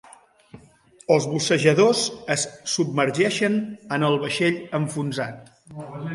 Els bussejadors es submergeixen en el vaixell enfonsat.